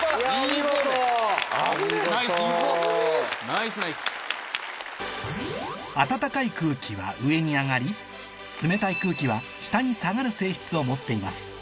ナイスナイス！は上に上がり冷たい空気は下に下がる性質を持っています